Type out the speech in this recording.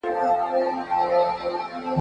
انګرېزي لښکر به تېښته وکړي.